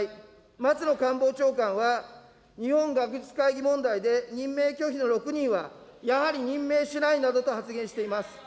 松野官房長官は、日本学術会議問題で、任命拒否の６人は、やはり任命しないなどと発言しています。